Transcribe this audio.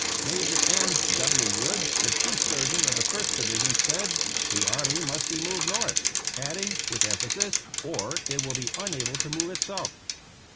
Major M. W. Wood, the chief Surgeon of the First Division, said :" The army must be moved North," add ing, with emphasis, " or it will be unable to move itself.